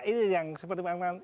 ini yang seperti